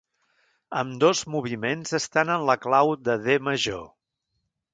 Ambdós moviments estan en la clau de D major.